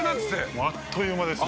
もうあっという間ですね。